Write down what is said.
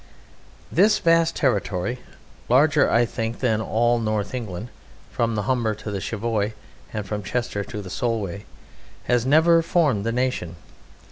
This vast territory larger (I think) than all North England from the Humber to Cheviot and from Chester to the Solway has never formed a nation.